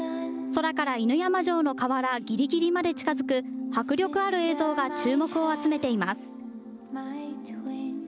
空から犬山城の瓦ぎりぎりまで近づく迫力ある映像が注目を集めています。